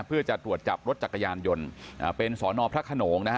เพื่อจะตรวจจับรถจักรยานยนต์เป็นสอนอพระขนงนะฮะ